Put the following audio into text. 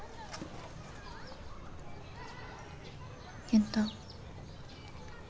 健太。